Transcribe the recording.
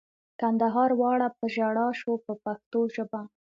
کندهار واړه په ژړا شو په پښتو ژبه.